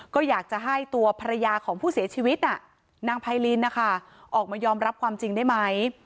ก็อยากจะให้ตัวภรรยาของผู้เสียชีวิตนางไพรินนะคะออกมายอมรับความจริงได้ไหม